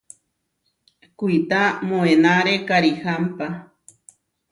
Kuitá moenáre karihámpa.